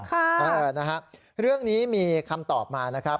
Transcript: ค่ะเออนะฮะเรื่องนี้มีคำตอบมานะครับ